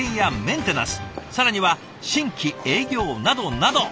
更には新規営業などなど。